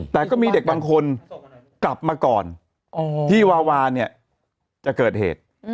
แต่ก็มีเด็กบางคนกลับมาก่อนที่วาวาเนี่ยจะเกิดเหตุ